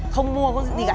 không mua có gì cả